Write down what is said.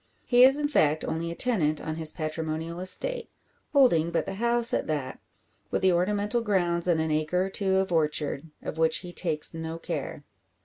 He is, in fact, only a tenant on his patrimonial estate; holding but the house at that, with the ornamental grounds and an acre or two of orchard, of which he takes no care.